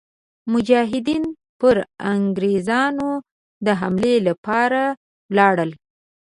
مجاهدین پر انګرېزانو د حملې لپاره ولاړل.